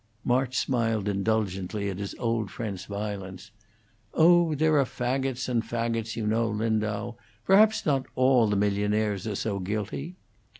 March smiled indulgently at his old friend's violence. "Oh, there are fagots and fagots, you know, Lindau; perhaps not all the millionaires are so guilty."